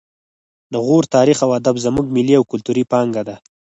د غور تاریخ او ادب زموږ ملي او کلتوري پانګه ده